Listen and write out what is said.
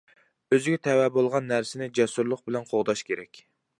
ئۆزىگە تەۋە بولغان نەرسىنى جەسۇرلۇق بىلەن قوغداش كېرەك.